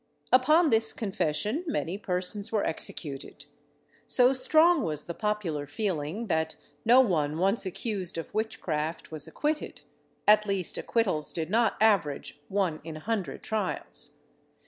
] Upon this confession many persons were executed. So strong was the popular feeling, that no one once accused of witchcraft was acquitted; at least acquittals did not average one in a hundred trials.